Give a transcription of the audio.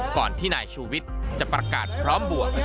ก่อนที่นายชูวิทย์จะประกาศพร้อมบวก